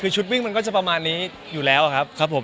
ชุดวิ่งมันก็จะประมาณนี้อยู่แล้วครับ